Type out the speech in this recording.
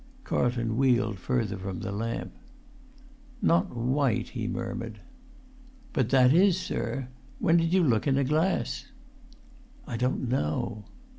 Carlton wheeled further from the lamp. "Not white," he murmured. "But that is, sir. When did you look in a glass?" "I don't know."